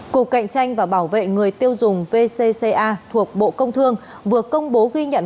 cục cạnh tranh và bảo vệ người tiêu dùng vcca thuộc bộ công thương vừa công bố ghi nhận